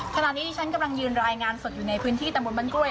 ขณะนี้ฉันกำลังรายงานสดอยู่ในพื้นที่ตำรบบรรกรวย